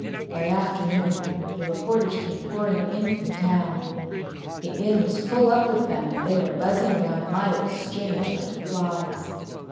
By afternoon the reporters came pouring in from town. The Inn was full up with them and they were buzzing round my exchange like flies.